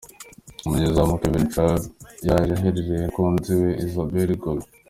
Umunyezamu Kevin Trapp yaje aherekejwe n’umukunzi we Izabel Goulart .